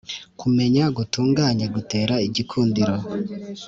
kumenya gutunganye gutera igikundiro,